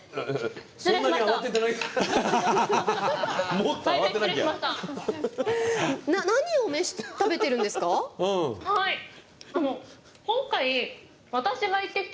失礼しました。